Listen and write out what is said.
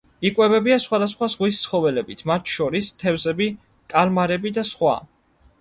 იკვებებიან სხვადასხვა ზღვის ცხოველებით, მათ შორის თევზები, კალმარები და სხვა.